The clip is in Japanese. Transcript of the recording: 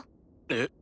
えっ？